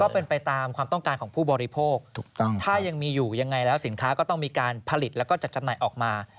เป็นไปตามความต้องการของผู้บริโภคถูกต้องถ้ายังมีอยู่ยังไงแล้วสินค้าก็ต้องมีการผลิตแล้วก็จัดจำหน่ายออกมา